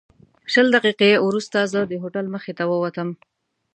شل دقیقې وروسته زه د هوټل مخې ته ووتم.